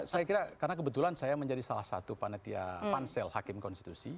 saya kira karena kebetulan saya menjadi salah satu panitia pansel hakim konstitusi